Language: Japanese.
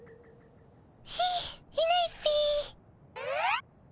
いいないっピィ。